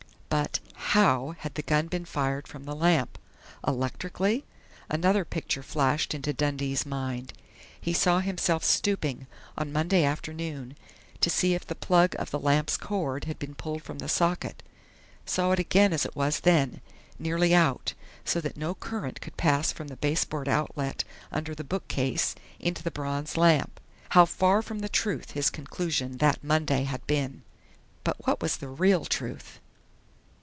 But how had the gun been fired from the lamp? Electrically? Another picture flashed into Dundee's mind. He saw himself stooping, on Monday afternoon, to see if the plug of the lamp's cord had been pulled from the socket, saw it again as it was then nearly out, so that no current could pass from the baseboard outlet under the bookcase into the bronze lamp. How far from the truth his conclusion that Monday had been! But what was the real truth?